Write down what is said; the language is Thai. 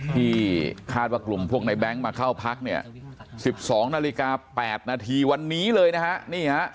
ที่คาดว่ากลุ่มพวกในแบงค์มาเข้าพักเนี่ย๑๒นาฬิกา๘นาทีวันนี้เลยนะฮะ